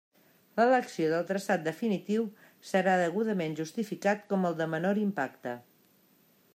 L'elecció del traçat definitiu serà degudament justificat com el de menor impacte.